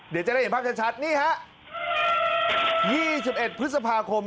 เดี๋ยวจะได้เห็นภาพชัดนี่ฮะ๒๑พฤษภาคม